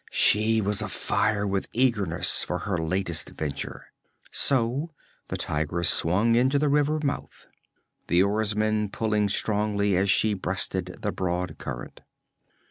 She was afire with eagerness for her latest venture; so the Tigress swung into the river mouth, the oarsmen pulling strongly as she breasted the broad current.